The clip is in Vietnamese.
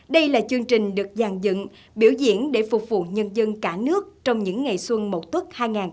đây là chương trình được gian dựng biểu diễn để phục vụ nhân dân cả nước trong những ngày xuân mậu tuất hai nghìn một mươi tám